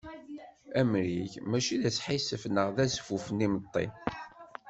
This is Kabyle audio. Amrig mačči d asḥissef, neɣ d azfuf n yimeṭṭi.